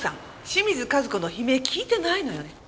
清水和子の悲鳴聞いてないのよね？